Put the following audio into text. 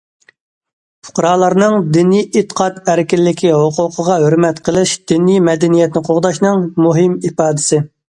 پۇقرالارنىڭ دىنىي ئېتىقاد ئەركىنلىكى ھوقۇقىغا ھۆرمەت قىلىش دىنىي مەدەنىيەتنى قوغداشنىڭ مۇھىم ئىپادىسى.